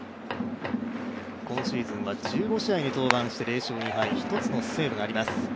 今シーズンは１５試合に登板して０勝２敗、１つのセーブがあります。